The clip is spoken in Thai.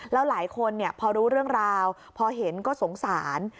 แล้วหลายคนพอรู้เรื่องราวพอเห็นก็สงสาร